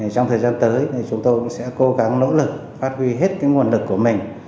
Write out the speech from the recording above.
trong thời gian tới chúng tôi cũng sẽ cố gắng nỗ lực phát huy hết nguồn lực của mình